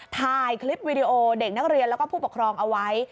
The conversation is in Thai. ถ่ายคลิปวิดีโอเด็กนักเรียนแล้วก็ผู้ปกครองเอาไว้